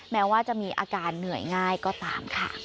แม้ว่าจะมีอาการเหนื่อยง่ายก็ตามค่ะ